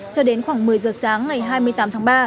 cho đến khoảng một mươi giờ sáng ngày hai mươi tám tháng ba